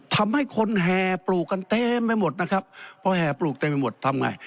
ทำให้คนแห่ปลูกกันเต็มไปหมดนะครับพอแห่ปลูกเต็มไปหมดทำไง